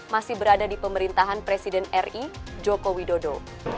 masih berada di pemerintahan presiden ri joko widodo